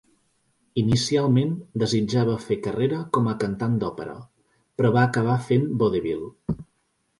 Inicialment, desitjava fer carrera com a cantant d'òpera, però va acabar fent vodevil.